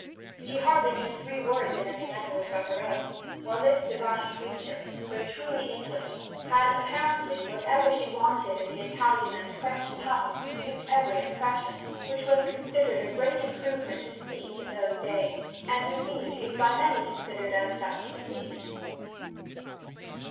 She hardly knew three words in any language but her own, while this divine creature, though truly English, had, apparently, whatever she wanted in the Italian and French tongues to suit every impression; which was considered a great improvement to speech in those days, and, indeed, is by many considered as such in these.